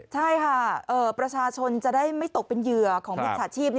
ใช่ค่ะประชาชนจะได้ไม่ตกเป็นเหยื่อของมิจฉาชีพ